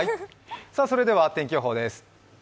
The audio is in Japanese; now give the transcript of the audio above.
それでは天気予報です。